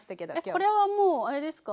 これはもうあれですか？